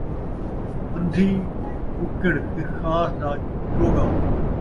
ان٘دھی ککڑ خسخاس دا چوڳا